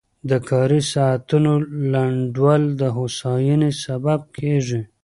د کاري ساعتونو لنډول د هوساینې سبب کېږي.